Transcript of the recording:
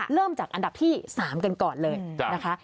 เริ่มจากอันดับที่๓กันก่อนเลยนะคะ